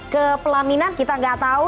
ke pelaminan kita nggak tahu